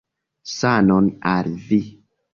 Sanon al vi!